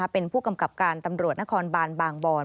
เป็นผู้กำกับการตำรวจนครบานบางบอน